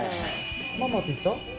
ママって言った？